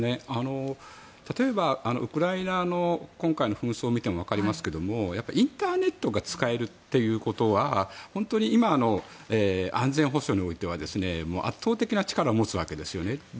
例えばウクライナの今回の紛争を見てもわかりますけどインターネットが使えるっていうことは本当に今の安全保障においては圧倒的な力を持つわけです。